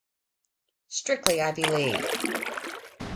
Strictly Ivy League.